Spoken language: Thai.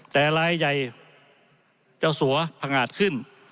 แต่รายใยเจ้าสัวพังอาจขึ้น